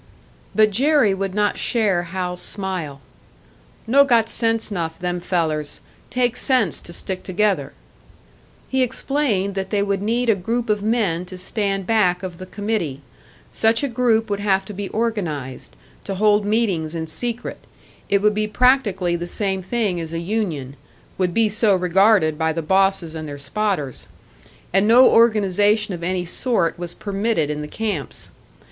But Jerry would not share Hal's smile. "No got sense 'nough, them fellers. Take sense to stick together." He explained that they would need a group of men to stand back of the committee; such a group would have to be organised, to hold meetings in secret it would be practically the same thing as a union, would be so regarded by the bosses and their spotters. And no organisation of any sort was permitted in the camps.